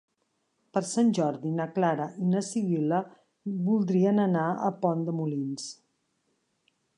Per Sant Jordi na Clara i na Sibil·la voldrien anar a Pont de Molins.